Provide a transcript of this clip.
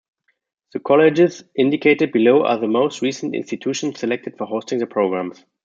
The colleges indicated below are the most recent institutions selected for hosting the programs.